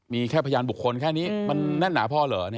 มีแค่พยานบุคคลแค่นี้มันแน่นหนาพอเหรอ